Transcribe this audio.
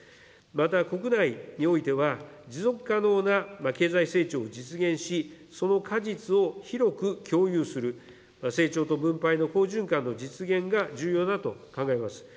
また、国内においては、持続可能な経済成長を実現し、その果実を広く共有する、成長と分配の好循環の実現が重要だと考えます。